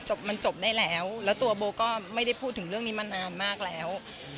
มันจบได้แล้วแล้วตัวโบก็ไม่ได้พูดถึงเรื่องนี้มานานมากแล้ว